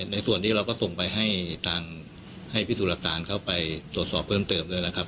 ในส่วนนี้เราก็ส่งไปให้ทางให้พิสูจน์หลักฐานเข้าไปตรวจสอบเพิ่มเติมด้วยนะครับ